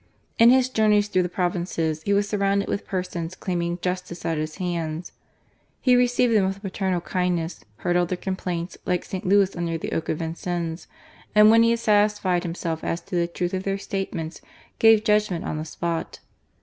In his journeys through the provinces, he was surrounded with persons claiming Justice at his hands. He received them with paternal kindness, heard all their complaints, like St. Louis under the oak of Vincennes ; and when he had satisfied himself as to the truth of their state ments, gave judgment on the spot.